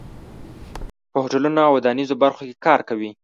په هوټلونو او ودانیزو برخو کې کار کوي.